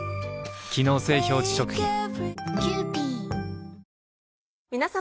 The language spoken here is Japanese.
機能性表示食品皆様。